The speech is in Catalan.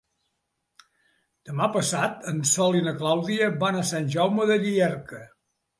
Demà passat en Sol i na Clàudia van a Sant Jaume de Llierca.